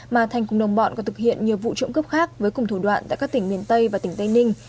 mà thành cùng đồng bọn còn thực hiện nhiều vụ trộm cắp khác với cùng thủ đoạn tại các tỉnh miền tây và tỉnh tây ninh